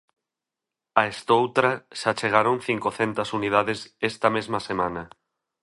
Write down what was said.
A estoutra xa chegaron cincocentas unidades esta mesma semana.